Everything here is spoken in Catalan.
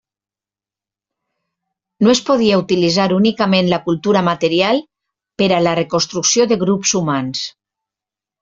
No es podia utilitzar únicament la cultura material per a la reconstrucció de grups humans.